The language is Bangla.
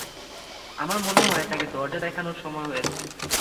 আমার মনে হয় তাকে দরজা দেখানোর সময় হয়েছে।